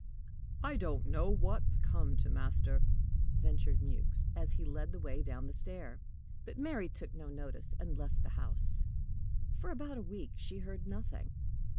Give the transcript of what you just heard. "I don't know what's come to master!" ventured Mewks, as he led the way down the stair. But Mary took no notice, and left the house. For about a week she heard nothing.